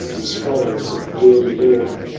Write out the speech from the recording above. c And scrolls of wordy lore. ^) XXI.